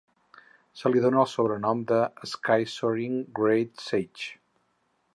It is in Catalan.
Se li dóna el sobrenom de "Sky Soaring Great Sage".